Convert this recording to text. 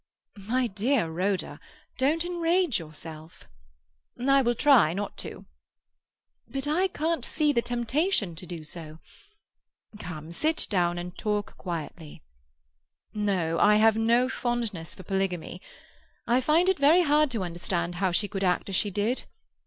"My dear Rhoda, don't enrage yourself." "I will try not to." "But I can't see the temptation to do so. Come and sit down, and talk quietly. No, I have no fondness for polygamy. I find it very hard to understand how she could act as she did.